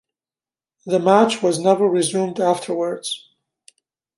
The match was never resumed afterwards.